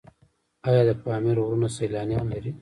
آیا د پامیر غرونه سیلانیان لري؟